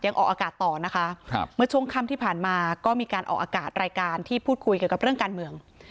ออกอากาศต่อนะคะครับเมื่อช่วงค่ำที่ผ่านมาก็มีการออกอากาศรายการที่พูดคุยเกี่ยวกับเรื่องการเมือง